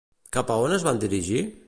Cap a on es van dirigir?